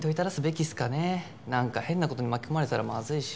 なんか変な事に巻き込まれてたらまずいし。